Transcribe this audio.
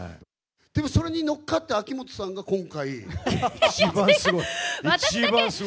でもそれに乗っかって秋元さんが今回。